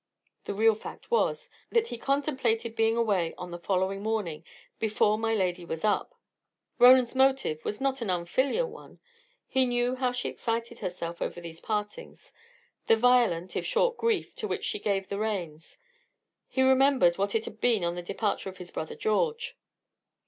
The real fact was, that he contemplated being away on the following morning, before my lady was up. Roland's motive was not an unfilial one. He knew how she excited herself over these partings; the violent, if short, grief to which she gave the reins; he remembered what it had been on the departure of his brother George.